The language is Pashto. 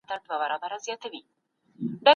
تاريخ بايد په بې پرې ډول وليکل سي.